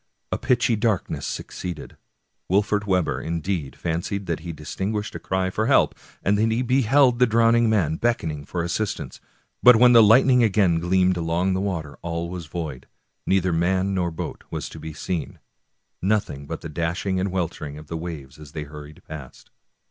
A pitchy darkness succeeded. Wolfert Webber, indeed, fancied that he distinguished a cry for help, and that he beheld the drowning man beckoning for assistance ; but when the light ning again gleamed along the water all was void ; neither man nor boat was to be seen, — nothing but the dashing and weltering of the waves as they hurried past.